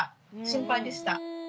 心配でした。